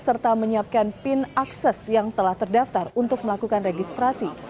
serta menyiapkan pin akses yang telah terdaftar untuk melakukan registrasi